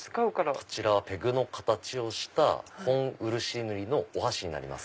こちらはペグの形をした本漆塗りのお箸になります。